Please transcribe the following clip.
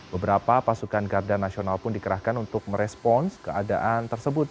beberapa pasukan garda nasional pun dikerahkan untuk merespons keadaan tersebut